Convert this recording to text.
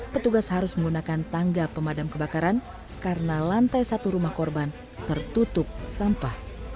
petugas harus menggunakan tangga pemadam kebakaran karena lantai satu rumah korban tertutup sampah